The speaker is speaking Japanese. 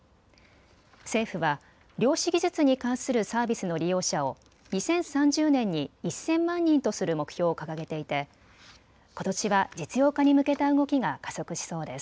政府は量子技術に関するサービスの利用者を２０３０年に１０００万人とする目標を掲げていてことしは実用化に向けた動きが加速しそうです。